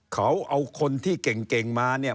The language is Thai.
เขาเอาคนที่เก่งมาเนี่ย